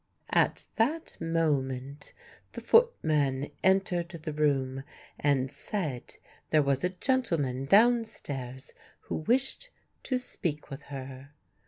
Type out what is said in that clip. At that moment the footman entered the room and said there was a gentleman downstairs who wished to speak with her.